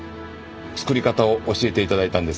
作り方を教えて頂いたんです。